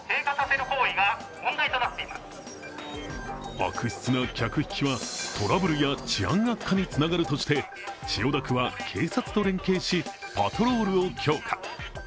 悪質な客引きはトラブルや治安悪化につながるとして千代田区は警察と連携しパトロールを強化。